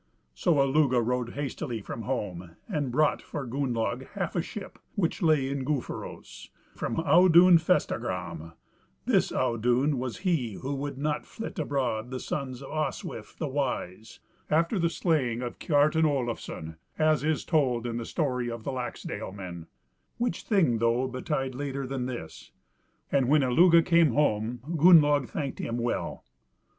So Illugi rode hastily from home, and bought for Gunnlaug half a ship which lay in Gufaros, from Audun Festargram this Audun was he who would not flit abroad the sons of Oswif the Wise, after the slaying of Kiartan Olafson, as is told in the story of the Laxdalemen, which thing though betid later than this. And when Illugi came home, Gunnlaug thanked him well.